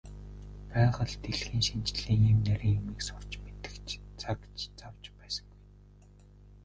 Байгаль дэлхийн шинжлэлийн ийм нарийн юмыг сурч мэдэх цаг зав ч байсангүй.